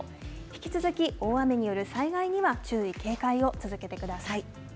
引き続き、大雨による災害には注意、警戒を続けてください。